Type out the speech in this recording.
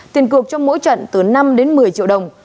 tiền cược trong mỗi trận từ năm đến một mươi triệu đồng